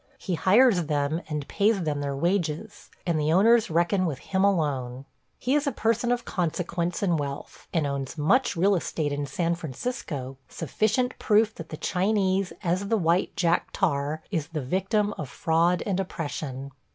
He hires them and pays them their wages, and the owners reckon with him alone. He is a person of consequence and wealth, and owns much real estate in San Francisco, sufficient proof that the Chinese, as the white Jack Tar, is the victim of fraud and oppression.